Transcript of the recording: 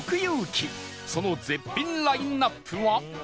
その絶品ラインアップは